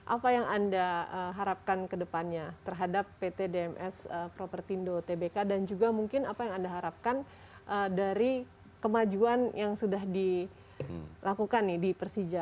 apa yang anda harapkan ke depannya terhadap pt dms propertindo tbk dan juga mungkin apa yang anda harapkan dari kemajuan yang sudah dilakukan di persija